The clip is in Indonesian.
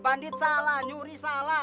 bandit salah nyuri salah